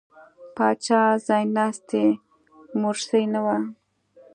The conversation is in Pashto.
پاچا ځایناستی مورثي نه و.